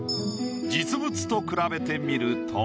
実物と比べてみると。